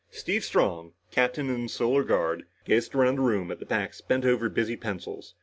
Steve Strong, Captain in the Solar Guard, gazed around the room at the backs bent over busy pencils.